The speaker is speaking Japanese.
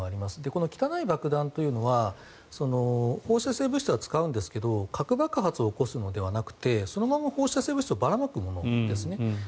この汚い爆弾というのは放射性物質は使うんですけど核爆発を起こすのではなくてそのまま放射性物質をばらまくものですね。